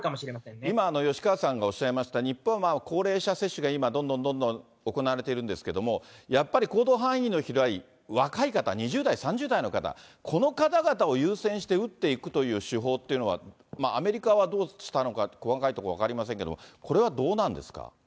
今、吉川さんがおっしゃいました、日本は高齢者接種が今どんどんどんどん行われているんですけれども、やっぱり行動範囲の広い若い方、２０代、３０代の方、この方々を優先して打っていくという手法っていうのは、アメリカはどうしたのか細かいところ分かりませんけれども、これはどうなんですか。